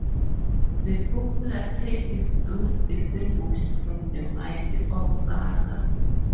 The popular tale is thus distinguished from the myth or saga.